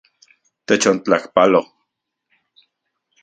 Techontlajpalo.